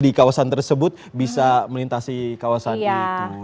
di kawasan tersebut bisa melintasi kawasan itu